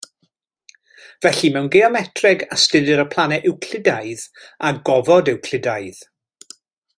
Felly, mewn geometreg, astudir y planau Ewclidaidd a gofod Ewclidaidd.